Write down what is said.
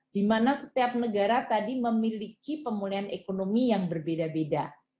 dimana setiap negara memiliki pemulihan ekonomi yang berbeda beda